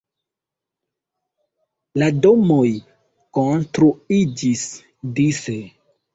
La domoj konstruiĝis dise.